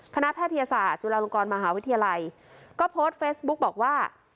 แพทยศาสตร์จุฬาลงกรมหาวิทยาลัยก็โพสต์เฟซบุ๊กบอกว่า